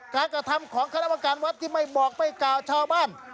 กระทำของคณะประการวัดที่ไม่บอกไม่กล่าวชาวบ้าน